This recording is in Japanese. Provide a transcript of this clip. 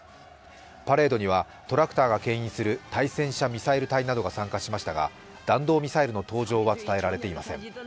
パレードにはトラクターがけん引する対戦車ミサイル隊などが参加しましたが弾道ミサイルの登場は伝えられていません。